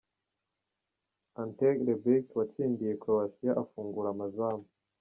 Ante Rebic watsindiye Croatia afungura amazamu .